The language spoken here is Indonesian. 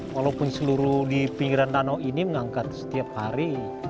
walaupun seluruh di pinggiran danau ini mengangkat setiap hari